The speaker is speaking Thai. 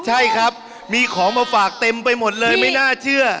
ใช่ครับมีของมาฝากเต็มไปหมดเลยไม่น่าเชื่อ